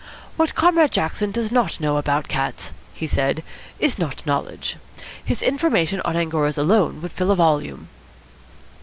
"What Comrade Jackson does not know about cats," he said, "is not knowledge. His information on Angoras alone would fill a volume."